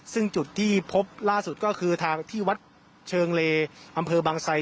ซึ่งจุดที่พบล่าสุดก็คือทางที่วัดเชิงเลอำเภอบางไซ